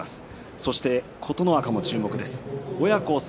そして琴ノ若も注目です。